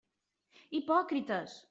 Hipòcrites!